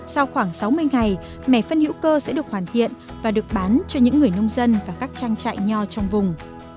sau khoảng sáu mươi ngày mẻ phân hữu cơ sẽ được hoàn thiện và được bán cho những người nông dân và các trang trại nho trong vùng